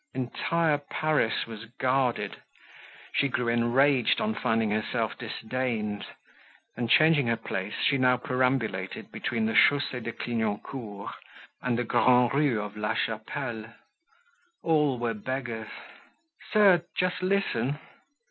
Entire Paris was guarded. She grew enraged on finding herself disdained, and changing her place, she now perambulated between the Chaussee de Clignancourt and the Grand Rue of La Chapelle. All were beggars. "Sir, just listen."